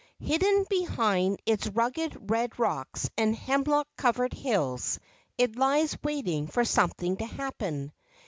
Hidden behind its rugged red rocks and hemlock covered hills, it lies waiting for something to happen.